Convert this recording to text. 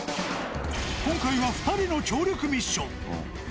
今回は２人の協力ミッション。